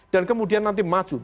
dan kemudian nanti maju